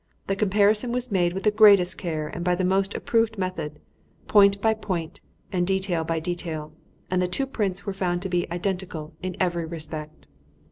The comparison was made with the greatest care and by the most approved method, point by point and detail by detail, and the two prints were found to be identical in every respect.